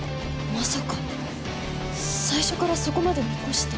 まさか最初からそこまで見越して？